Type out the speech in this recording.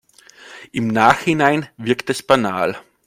Im Nachhinein wirkt es banal.